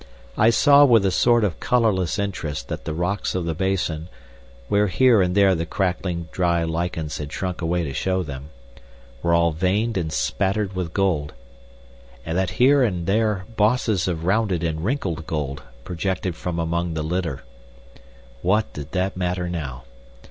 I saw with a sort of colourless interest that the rocks of the basin, where here and there the crackling dry lichens had shrunk away to show them, were all veined and splattered with gold, that here and there bosses of rounded and wrinkled gold projected from among the litter. What did that matter now?